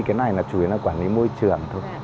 cái này là chủ yếu là quản lý môi trường thôi